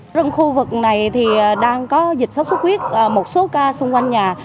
trong khu vực này thì đang có dịch sốt xuất huyết một số ca xung quanh nhà